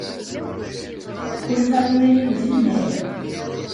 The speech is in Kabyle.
Ḥulfaɣ iman-iw d lmal.